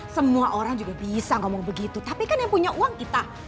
semua orang juga bisa ngomong begitu tapi kan yang punya uang kita